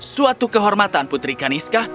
suatu kehormatan putri kaniska